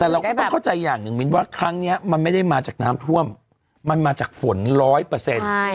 แต่เราก็ต้องเข้าใจอย่างหนึ่งมิ้นว่าครั้งเนี้ยมันไม่ได้มาจากน้ำท่วมมันมาจากฝนร้อยเปอร์เซ็นต์